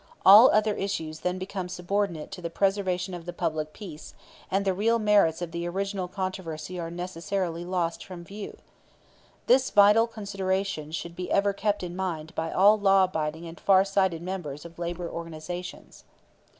All other issues then become subordinate to the preservation of the public peace, and the real merits of the original controversy are necessarily lost from view. This vital consideration should be ever kept in mind by all law abiding and far sighted members of labor organizations.